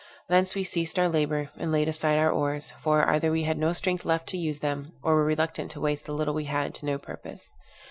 Thence we ceased our labor, and laid aside our oars; for, either we had no strength left to use them, or were reluctant to waste the little we had to no purpose.